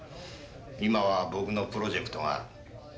今は僕のプロジェクトが。